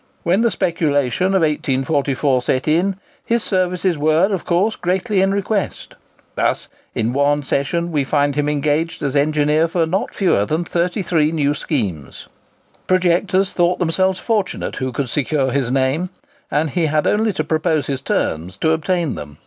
When the speculation of 1844 set in, his services were, of course, greatly in request. Thus, in one session, we find him engaged as engineer for not fewer than 33 new schemes. Projectors thought themselves fortunate who could secure his name, and he had only to propose his terms to obtain them.